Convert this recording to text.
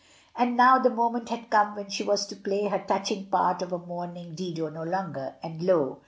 And now the moment had come when she was to play her touching part of a mourning Dido no longer, and lo!